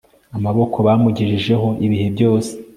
Amaboko bamugejejeho ibihe byose